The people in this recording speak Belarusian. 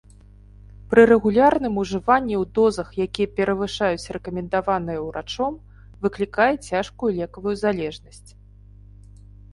Пры рэгулярным ужыванні ў дозах, якія перавышаюць рэкамендаваныя ўрачом, выклікае цяжкую лекавую залежнасць.